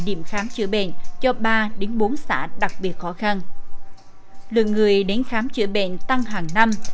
điểm khám chữa bệnh cho ba đến bốn xã đặc biệt khó khăn lượng người đến khám chữa bệnh tăng hàng năm